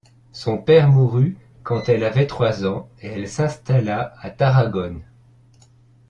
Son père mourut quand elle avait trois ans et elle s'installa à Tarragone.